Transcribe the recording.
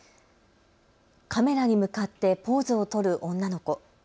カメラに向かってポーズを取る女の子。